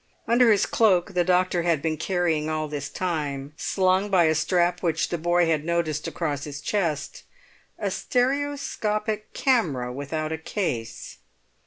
Under his cloak the doctor had been carrying all this time, slung by a strap which the boy had noticed across his chest, a stereoscopic camera without a case.